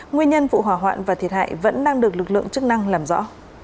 nguyên nhân vụ hỏa hoạn và thiệt hại vẫn đang được lực lượng chức năng làm rõ